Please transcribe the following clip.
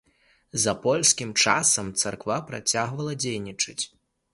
За польскім часам царква працягвала дзейнічаць.